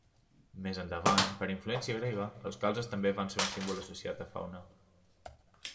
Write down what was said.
Més endavant, per influència grega, els calzes també van ser un símbol associat a Faune.